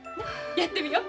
やってみよう。